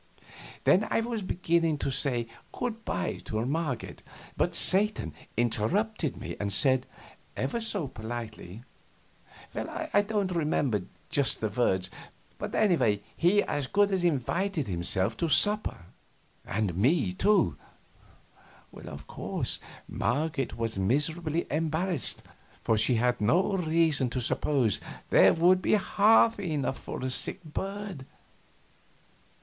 Then I was beginning to say good by to Marget, but Satan interrupted and said, ever so politely well, I don't remember just the words, but anyway he as good as invited himself to supper, and me, too. Of course Marget was miserably embarrassed, for she had no reason to suppose there would be half enough for a sick bird.